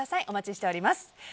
お待ちしております。